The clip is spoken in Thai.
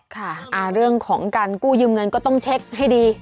ค่ะเรื่องของการกู้ยืมเงินก็ต้องเช็คให้ดี